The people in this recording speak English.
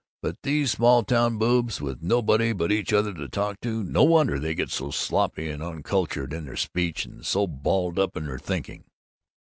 But these small town boobs, with nobody but each other to talk to, no wonder they get so sloppy and uncultured in their speech, and so balled up in their thinking!"